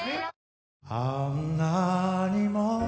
「あんなにも」